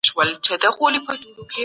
د سولې کبوتران الوازئ.